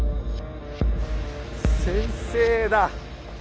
先生だ！